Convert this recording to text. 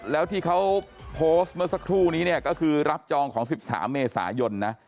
แล้วที่เขาโพสต์เมื่อสักครู่นี้เนี่ยก็คือรับจองของ๑๓เมษายนนะ